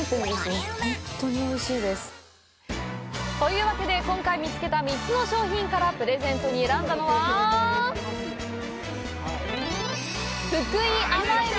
本当においしいです。というわけで、今回見つけた３つの商品からプレゼントに選んだのは「ふくい甘えび」